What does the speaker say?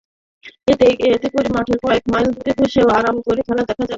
এতে করে মাঠের কয়েক মাইল দূরে বসেও আরাম করে খেলা দেখতে পারবেন।